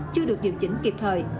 chưa được dự chỉnh kịp thời